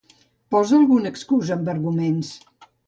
Posa alguna excusa amb arguments.